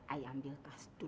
ayah ambil tas dulu